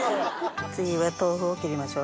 次は豆腐を切りましょうね。